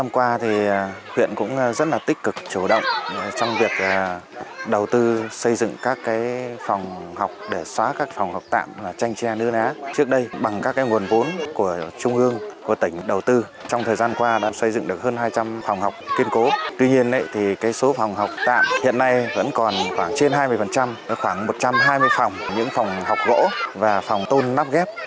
khoảng một trăm hai mươi phòng những phòng học gỗ và phòng tôn nắp ghép